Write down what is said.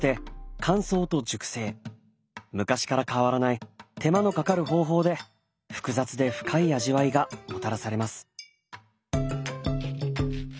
昔から変わらない手間のかかる方法で複雑で深い味わいがもたらされます。